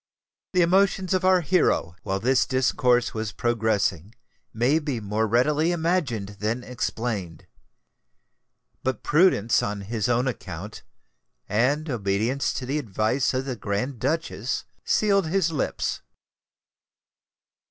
The emotions of our hero, while this discourse was progressing, may be more readily imagined than explained: but prudence on his own account, and obedience to the advice of the Grand Duchess, sealed his lips.